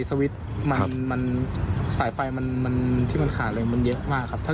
สวิตช์สายไฟที่มันขาดเลยเยอะมากครับ